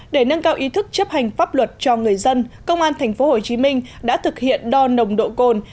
để nâng cao ý thức chấp hành pháp luật cho người dân công an thành phố hồ chí minh đã thực hiện đo nồng độ cồn